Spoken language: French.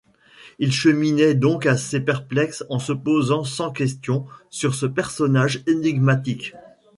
Il cheminait donc assez perplexe, en se posant cent questions sur ce personnage énigmatique.